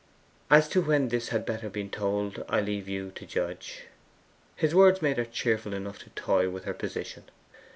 As to when this had better be told, I leave you to judge.' His words made her cheerful enough to toy with her position.